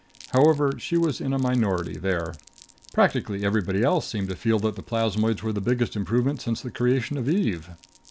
However, she was in a minority there. Practically everybody else seemed to feel that plasmoids were the biggest improvement since the creation of Eve.